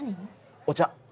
お茶。